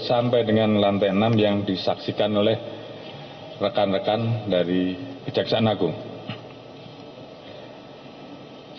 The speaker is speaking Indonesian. sampai dengan lantai enam yang disaksikan oleh rekan rekan dari kejaksaan agung